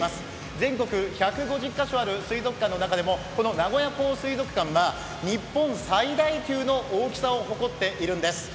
全国１５０カ所ある水族館の中でも、この名古屋港水族館は、日本最大級の大きさを誇っているんです。